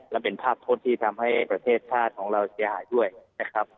และเป็นภาพโทษที่ทำให้ประเทศชาติของเราเสียหายด้วยนะครับ